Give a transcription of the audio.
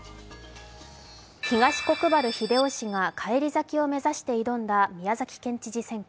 東国原英夫氏が返り咲きを目指して挑んだ宮崎県知事選挙。